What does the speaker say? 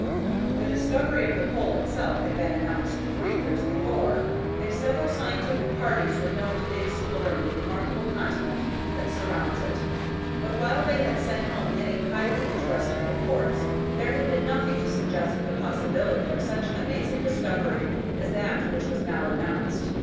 The discovery of the pole itself had been announced three years before, and several scientific parties were known to be exploring the remarkable continent that surrounds it. But while they had sent home many highly interesting reports, there had been nothing to suggest the possibility of such an amazing discovery as that which was now announced.